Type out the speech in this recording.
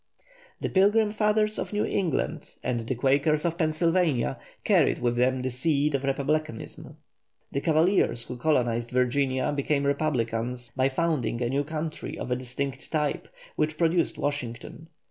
The Pilgrim Fathers of New England and the Quakers of Pennsylvania carried with them the seed of republicanism. The Cavaliers who colonized Virginia became republicans by founding a new country of a distinct type, which produced Washington.